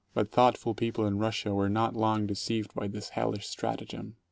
But thoughtful people in Russia were not long deceived by this hellish stratagem.